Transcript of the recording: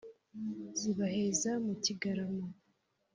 Zibaheza mu kigarama